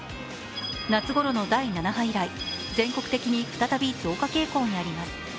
夏ごろの第７波以来、全国的に再び増加傾向にあります。